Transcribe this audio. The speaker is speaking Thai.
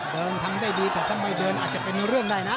ทำได้ดีแต่ถ้าไม่เดินอาจจะเป็นเรื่องได้นะ